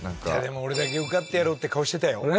いやでも俺だけ受かってやろうって顔してたよ。